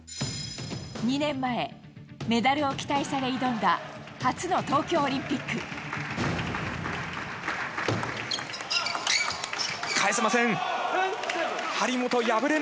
２年前、メダルを期待され、挑んだ初の東京オリンピック。返せません。